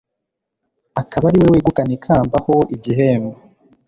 akaba ari we wegukana ikamba ho igihembo